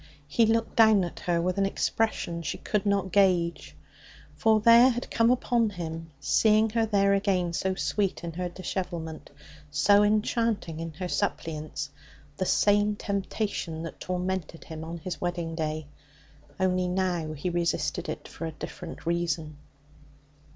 He looked down at her with an expression she could not gauge. For there, had come upon him, seeing her there again, so sweet in her dishevelment, so enchanting in her suppliance, the same temptation that tormented him on his wedding day. Only now he resisted it for a different reason.